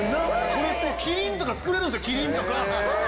キリンとか作れるんですよキリンとか。